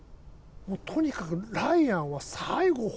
もうとにかくライアンは最後本当